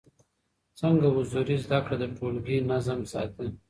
څنګه حضوري زده کړه د ټولګي نظم ساتي؟